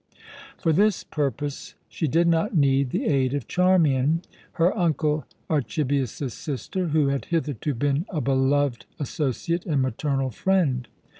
For this purpose she did not need the aid of Charmian, her uncle Archibius's sister, who had hitherto been a beloved associate and maternal friend.